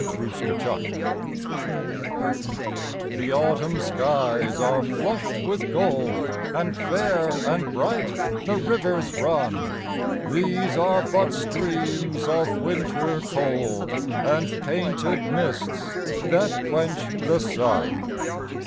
AUTUMN The Autumn skies are flush'd with gold, And fair and bright the rivers run; These are but streams of winter cold, And painted mists that quench the sun.